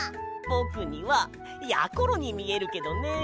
ぼくにはやころにみえるけどね。